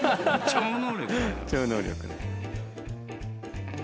超能力ね。